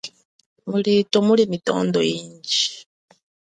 Mulito muli mitondo inji.